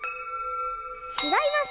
ちがいます！